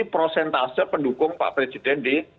prosentase pendukung pak presiden di